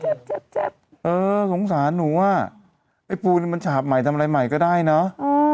ตายแล้วเจ็บเจ็บเจ็บเออสงสารหนูว่าไอ้ปูนมันฉาบใหม่ทำอะไรใหม่ก็ได้เนาะ